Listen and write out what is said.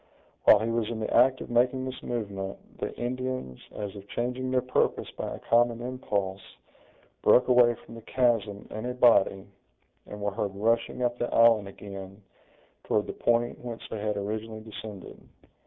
While he was in the act of making this movement, the Indians, as if changing their purpose by a common impulse, broke away from the chasm in a body, and were heard rushing up the island again, toward the point whence they had originally descended.